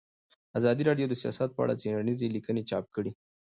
ازادي راډیو د سیاست په اړه څېړنیزې لیکنې چاپ کړي.